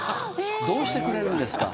どうしてくれるんですか。